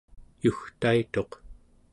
yugtaituq